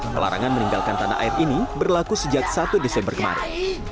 pelarangan meninggalkan tanah air ini berlaku sejak satu desember kemarin